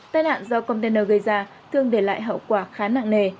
tai nạn do container gây ra thường để lại hậu quả khá nặng nề